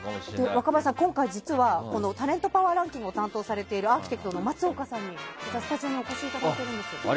若林さん、今回実はタレントパワーランキングを担当されているアーキテクトの松岡さんにスタジオにお越しいただいているんです。